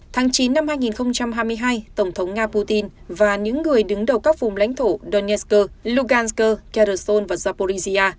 tháng chín năm hai nghìn hai mươi hai tổng thống nga putin và những người đứng đầu các vùng lãnh thổ donetsk lugansk kherson và zaporizhia